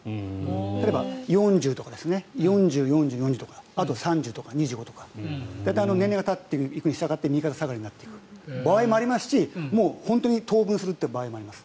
例えば４０とか４０、４０、４０とかあと３０、２５とか大体、年齢がたっていくにしたがって右肩下がりになっていく場合もありますしもう本当に等分する場合もある。